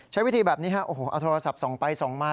ใช้วิธีแบบนี้ฮะโอ้โหเอาโทรศัพท์ส่องไปส่องมา